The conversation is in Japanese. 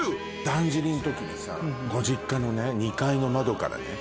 だんじりの時にさご実家の２階の窓からね